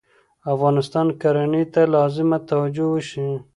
افغانستان کرهنې ته لازمه توجه وشي